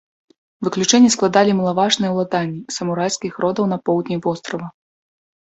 Выключэнне складалі малаважныя ўладанні самурайскіх родаў на поўдні вострава.